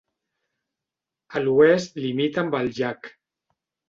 A l'oest limita amb el llac.